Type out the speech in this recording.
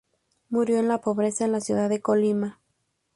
Murió en la pobreza en la ciudad de Colima.